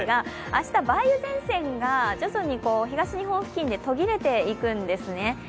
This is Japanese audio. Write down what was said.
明日、梅雨前線が徐々に東日本付近で途切れていくんですね。